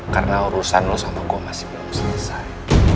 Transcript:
karena urusan lo sama gue masih belum selesai